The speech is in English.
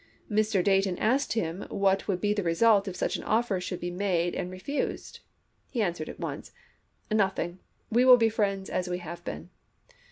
When Mr. Dayton asked him what would be the result if such an offer should be made and refused, he answered at once :" Nothing ; we will be friends as we have been."